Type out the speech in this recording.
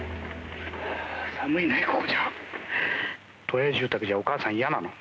都営住宅じゃお母さん嫌なの？